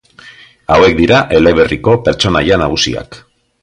Hauek dira eleberriko pertsonaia nagusiak.